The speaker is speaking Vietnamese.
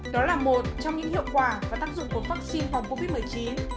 đó là một trong những hiệu quả và tác dụng của vắc xin phòng covid một mươi chín